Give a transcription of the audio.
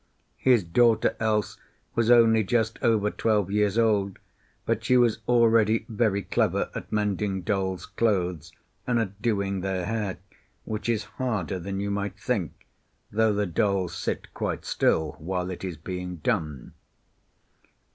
His daughter Else was only just over twelve years old, but she was already very clever at mending dolls' clothes, and at doing their hair, which is harder than you might think, though the dolls sit quite still while it is being done.